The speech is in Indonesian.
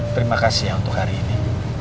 terima kasih untuk hari ini